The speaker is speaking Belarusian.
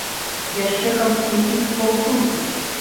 Яшчэ каб якіх з паўсотні.